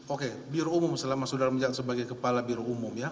oke biru umum selama saudara menjabat sebagai kepala biro umum ya